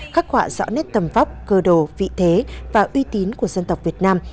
khắc họa rõ nét tầm vóc cơ đồ vị thế và uy tín của dân tộc việt nam